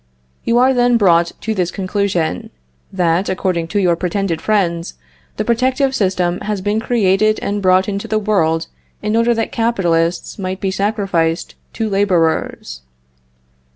You are then brought to this conclusion, that, according to your pretended friends, the protective system has been created and brought into the world in order that capitalists might be sacrificed to laborers!